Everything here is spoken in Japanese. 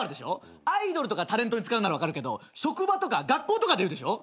アイドルとかタレントに使うなら分かるけど職場とか学校とかで言うでしょ。